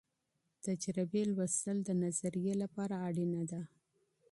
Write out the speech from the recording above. تجربي مطالعه د نظريې لپاره اړينه ده.